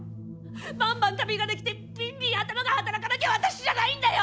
バンバン旅ができてビンビン頭が働かなきゃ私じゃないんだよ！